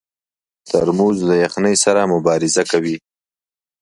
ترموز له یخنۍ سره مبارزه کوي.